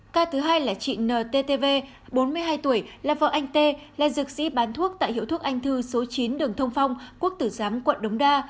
ca thứ hai là chị n t t v bốn mươi hai tuổi là vợ anh t là dược sĩ bán thuốc tại hiệu thuốc anh thư số chín đường thông phong quốc tử giám quận đống đa